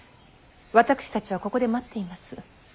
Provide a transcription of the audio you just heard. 私たちはここで待っています。